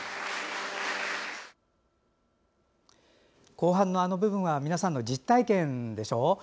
後半のあの部分は皆さんの実体験でしょ？